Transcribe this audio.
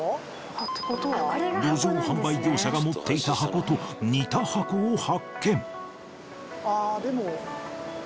路上販売業者が持っていた箱と似た箱を発見え！